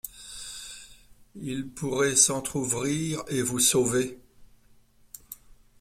Il pourrait s’entr’ouvrir et vous sauver.